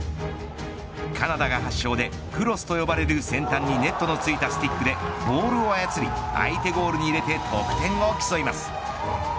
カナダが発祥でクロスと呼ばれる先端にネットの付いたスティックでボールを操り、相手ゴールに入れて得点を競います。